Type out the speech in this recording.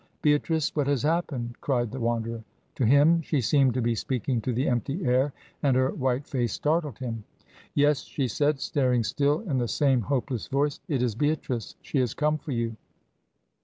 "Beatrice what has happened?" cried the Wanderer. To him, she seemed to be speaking to the empty air and her white face startled him. "Yes," she said, staring still, in the same hopeless voice. "It is Beatrice. She has come for you."